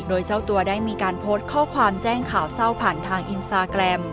โดยเจ้าตัวได้มีการโพสต์ข้อความแจ้งข่าวเศร้าผ่านทางอินสตาแกรม